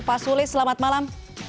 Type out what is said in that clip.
pak sulis selamat malam